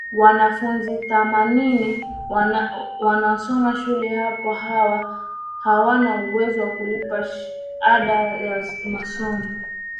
Wanafunzi themanini wanaosoma shuleni hapo hawana uwezo wa kulipa ada ya masomo